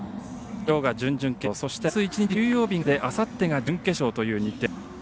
今日が準々決勝そしてあす、１日休養日があってあさってが準決勝という日程です。